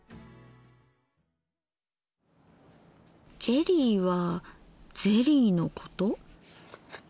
ジェリーはゼリーのこと？